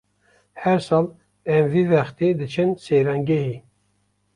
Her sal em vî wextî diçin seyrangehê.